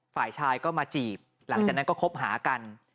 ฝ่ายชายก็มาจีบหลังจากนั้นก็คบหากัน